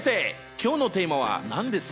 今日のテーマは何ですか？